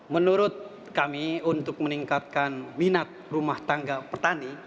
menurut kami untuk meningkatkan minat rumah tangga petani